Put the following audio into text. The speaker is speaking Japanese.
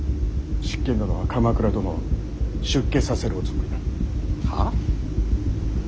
執権殿は鎌倉殿を出家させるおつもりだ。はあ？